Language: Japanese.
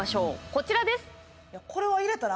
こちらです。